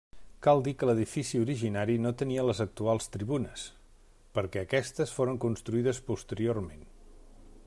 Cal dir que l'edifici originari no tenia les actuals tribunes, perquè aquestes foren construïdes posteriorment.